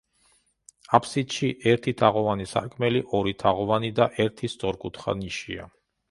აბსიდში ერთი თაღოვანი სარკმელი, ორი თაღოვანი და ერთი სწორკუთხა ნიშია.